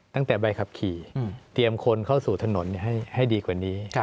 ตั้งแต่ใบขับขี่เตรียมคนเข้าสู่ถนนให้ดีกว่านี้